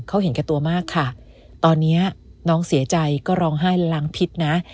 เขาเห็นแก่ตัวมากค่ะตอนนี้น้องเสียใจก็ร้องไห้ล้างพิษนะ